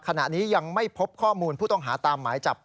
ขณะนี้ยังไม่พบข้อมูลผู้ต้องหาตามหมายจับ